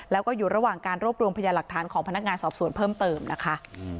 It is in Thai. แล้วก็อยู่ระหว่างการรวบรวมพยานหลักฐานของพนักงานสอบสวนเพิ่มเติมนะคะ